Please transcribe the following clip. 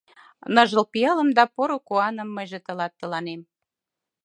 Ныжыл пиалым да поро куаным Мыйже тылат тыланем.